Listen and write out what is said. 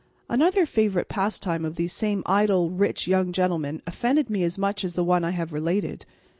Another favourite pastime of these same idle, rich young gentlemen offended me as much as the one I have related.